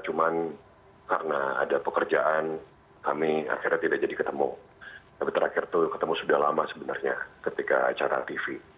cuma karena ada pekerjaan kami akhirnya tidak jadi ketemu tapi terakhir itu ketemu sudah lama sebenarnya ketika acara tv